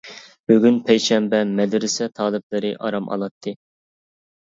بۈگۈن پەيشەنبە مەدرىسە تالىپلىرى ئارام ئالاتتى.